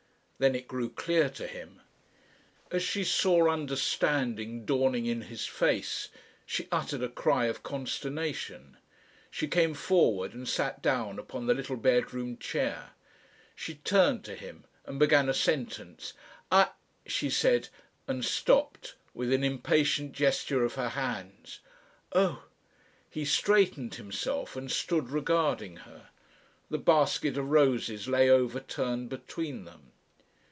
Then it grew clear to him. As she saw understanding dawning in his face, she uttered a cry of consternation. She came forward and sat down upon the little bedroom chair. She turned to him and began a sentence. "I," she said, and stopped, with an impatient gesture of her hands. "Oh!" He straightened himself and stood regarding her. The basket of roses lay overturned between them.